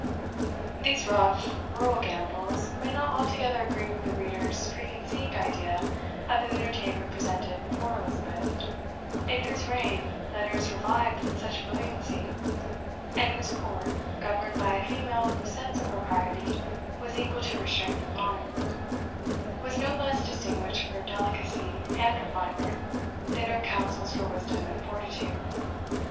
These rough, rural gambols may not altogether agree with the reader's preconceived idea of an entertainment presented before Elizabeth, in whose reign letters revived with such brilliancy, and whose court, governed by a female whose sense of propriety was equal to her strength of mind, was no less distinguished for delicacy and refinement than her councils for wisdom and fortitude.